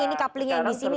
ini couplingnya yang di sini